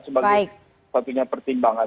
sebagai satunya pertimbangan